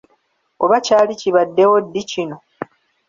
Oba kyali kibaddewo ddi kino!